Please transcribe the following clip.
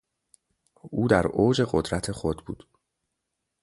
او در اوج قدرت خود بود.